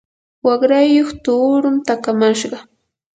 waqrayuq tuurun takamashqa.